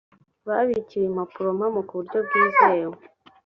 babikiwe impapurompamo ku buryo bwizewe